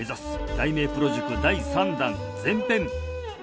題名プロ塾第３弾前編